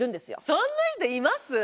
そんな人います？